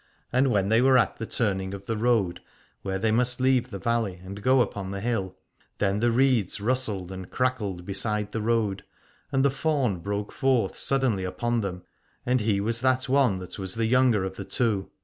And when they were at the turning of the road, where they must leave the valley and go upon the hill, then the reeds rustled and crackled beside the road : and the faun broke forth suddenly upon them, and he was that one that was the younger of the two.